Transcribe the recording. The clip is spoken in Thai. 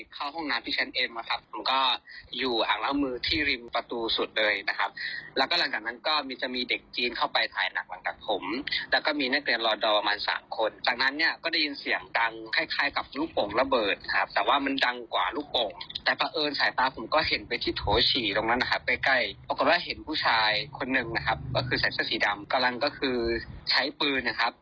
คนหนึ่งนะครับก็คือใส่เส้นสีดำกำลังก็คือใช้ปืนนะครับ